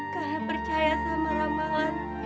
karena percaya sama ramalan